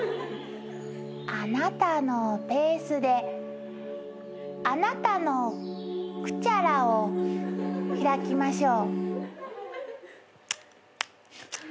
あなたのペースであなたのクチャラを開きましょう。